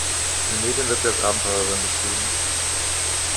In den Medien wird sie als Abenteurerin beschrieben.